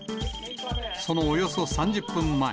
そのおよそ３０分前。